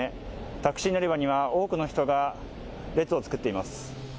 タクシー乗り場には多くの人が列を作っています。